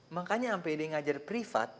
makanya sampai dia ngajar privat